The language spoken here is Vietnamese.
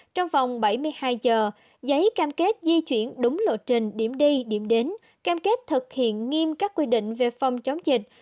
trong vòng bảy mươi hai giờ giấy cam kết di chuyển đúng lộ trình điểm đi điểm đến cam kết thực hiện nghiêm các quy định về phòng chống dịch